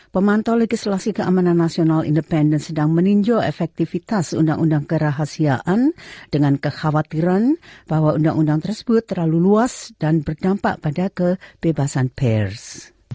pemantau legislasi keamanan nasional independen sedang meninjau efektivitas undang undang kerahasiaan dengan kekhawatiran bahwa undang undang tersebut terlalu luas dan berdampak pada kebebasan pers